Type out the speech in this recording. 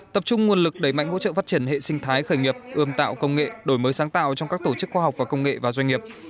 tập trung nguồn lực đẩy mạnh hỗ trợ phát triển hệ sinh thái khởi nghiệp ươm tạo công nghệ đổi mới sáng tạo trong các tổ chức khoa học và công nghệ và doanh nghiệp